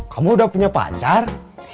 kamu udah punya pacar